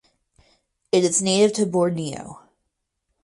It is native to Borneo.